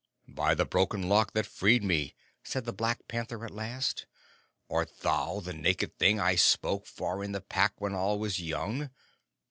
"By the Broken Lock that freed me!" said the Black Panther at last. "Art thou the naked thing I spoke for in the Pack when all was young?